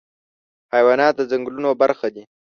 حیوانات د ځنګلونو برخه دي.